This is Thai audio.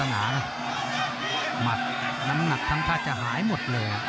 น้ำหนักทันท่าจะหายหมดเลย